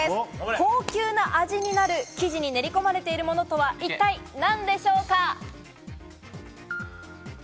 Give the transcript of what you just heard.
高級な味になる生地に練り込まれているものとは一体なんでしょう？